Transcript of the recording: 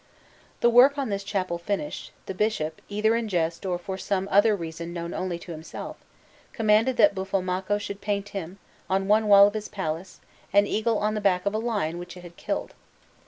The work in this chapel finished, the Bishop, either in jest or for some other reason known only to himself, commanded that Buffalmacco should paint him, on one wall of his palace, an eagle on the back of a lion which it had killed.